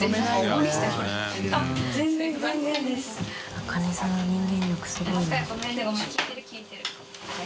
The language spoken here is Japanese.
茜さんの人間力すごいな。